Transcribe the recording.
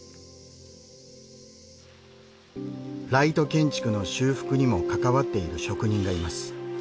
ライト建築の修復にも関わっている職人がいます。